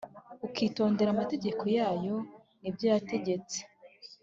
ukitondera amategeko yayo n’ibyo yategetse